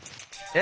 え？